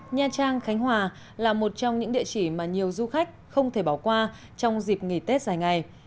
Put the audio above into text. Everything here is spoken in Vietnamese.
nha trang khánh hòa là một trong những địa chỉ mà nhiều du khách không thể bỏ qua trong dịp nghỉ tết dài ngày